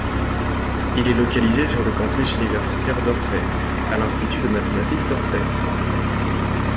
Il est localisé sur le campus universitaire d'Orsay, à l'Institut de Mathématique d'Orsay.